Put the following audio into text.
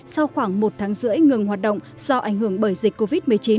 sau khoảng một tháng rưỡi ngừng hoạt động do ảnh hưởng bởi dịch covid một mươi chín